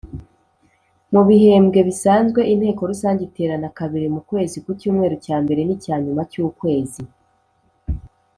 Mu bihembwe bisanzwe inteko rusange iterana kabiri mu kwezi ku cyumweru cya mbere n’icya nyuma cy’ukwezi.